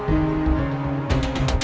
kemarin saya lagi sedih